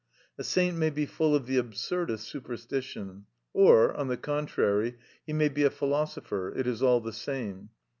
A saint may be full of the absurdest superstition, or, on the contrary, he may be a philosopher, it is all the same.